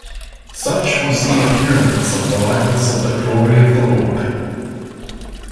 Such was the appearance of the likeness of the glory of the Lord.